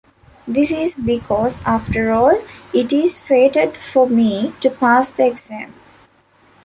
This is because, after all, it is fated for me to pass the exam.